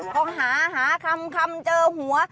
พอหาหาคำเจอหัว